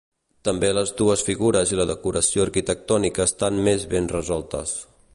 També les dues figures i la decoració arquitectònica estan més ben resoltes.